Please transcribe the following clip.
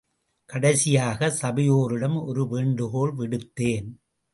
கடைசியாக சபையோரிடம் ஒரு வேண்டுகோள் விடுத்தேன்.